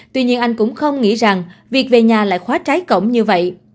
tuy nhiên anh cũng không nghĩ rằng việc về nhà lại khóa trái cổng như vậy